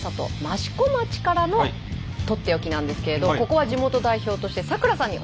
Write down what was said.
益子町からのとっておきなんですけれどここは地元代表として咲楽さんにお願いします。